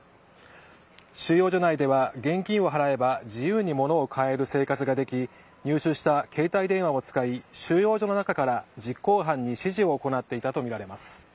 収容所内では現金を払えば自由に物が買える生活ができ入手した携帯電話を使い収容所の中から実行犯に指示を行っていたとみられます。